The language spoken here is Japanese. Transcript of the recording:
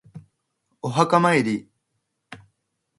お墓参り